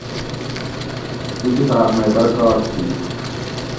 اتفاق مئ برکات تھی